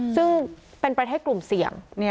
ซึ่งเป็นประเทศกลุ่มเสี่ยง